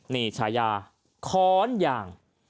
นี่ฉายาค้อนยาง